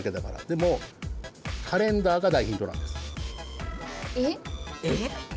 でもカレンダーが大ヒントなんです。え？